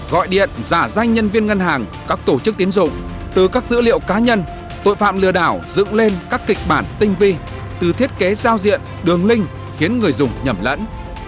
gọi điện giả danh nhân viên ngân hàng các tổ chức tiến dụng từ các dữ liệu cá nhân tội phạm lừa đảo dựng lên các kịch bản tinh vi từ thiết kế giao diện đường link khiến người dùng nhầm lẫn